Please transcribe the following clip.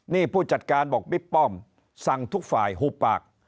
นี่ผู้จัดการบอกบิ๊กป้อมสั่งทุกฝ่ายหุบปาก